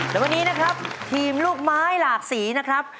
และวันนี้นะครับทีมลูกไม้หลากสีนะครับ